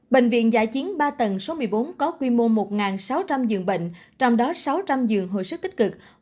bệnh viện giả chiến ba tầng số một mươi bốn có quy mô một sáu trăm linh giường bệnh trong đó sáu trăm linh giường hồi sức tích cực